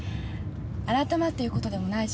改まって言うことでもないし。